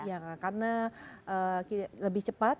ya karena lebih cepat